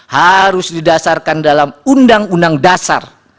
harus didasarkan dalam undang undang dasar